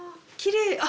きれい。